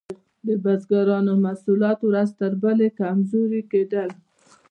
د بزګرانو محصولات ورځ تر بلې کمزوري کیدل.